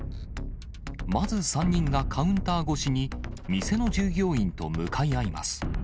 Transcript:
まず３人がカウンター越しに、店の従業員と向かい合います。